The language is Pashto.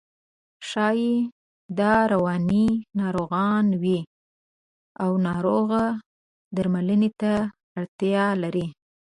ښایي دا رواني ناروغان وي او ناروغ درملنې ته اړتیا لري.